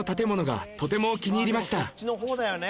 そっちの方だよね。